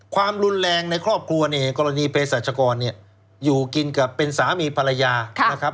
ความรุนแรงในครอบครัวเนี่ยกรณีเพศรัชกรเนี่ยอยู่กินกับเป็นสามีภรรยานะครับ